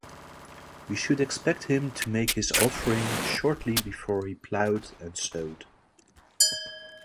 We should expect him to make his offering shortly before he ploughed and sowed.